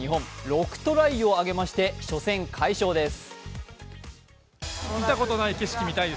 ６トライを挙げまして、初戦快勝です。